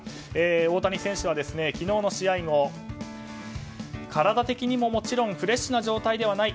大谷選手は昨日の試合後体的にももちろんフレッシュな状態ではない。